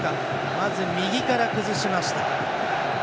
まず、右から崩しました。